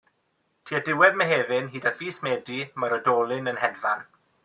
Tua diwedd Mehefin hyd at fis Medi mae'r oedolyn yn hedfan.